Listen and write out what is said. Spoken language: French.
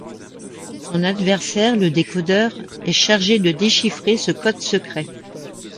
Son adversaire, le Décodeur, est chargé de déchiffrer ce code secret.